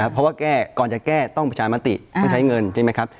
เพราะว่าแก้ก่อนจะแก้ต้องประชามติต้องใช้เงินใช่ไหมครับ